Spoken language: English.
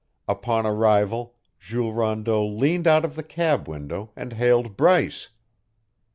Upon arrival, Jules Rondeau leaned out of the cab window and hailed Bryce.